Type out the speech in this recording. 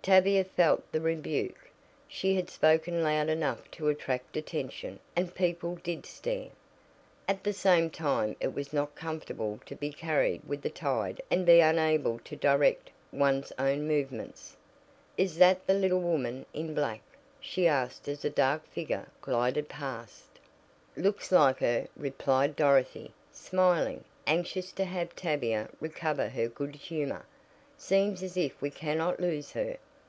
Tavia felt the rebuke she had spoken loud enough to attract attention, and people did stare. At the same time it was not comfortable to be carried with the tide and be unable to direct one's own movements. "Is that the little woman in black?" she asked as a dark figure glided past. "Looks like her," replied Dorothy, smiling, anxious to have Tavia recover her good humor. "Seems as if we cannot lose her."